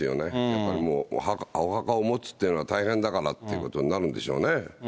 やっぱりもうお墓を持つっていうのは大変だからということになるんでしょうね。